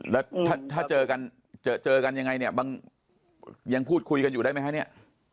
แล้วถ้าเจอกันเจอกันยังไงเนี่ยบางยังพูดคุยกันอยู่ได้ไหมคะเนี่ย